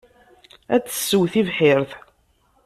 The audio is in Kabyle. Ad tessew tibḥirt.